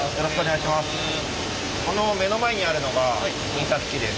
この目の前にあるのが印刷機です。